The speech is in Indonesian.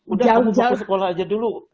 udah mau ke sekolah aja dulu